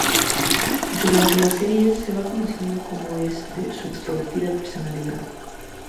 Durante la serie se va conociendo cómo es su extrovertida personalidad.